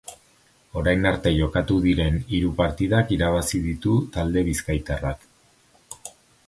Orain arte jokatu diren hiru partidak irabazi ditu talde bizkaitarrak.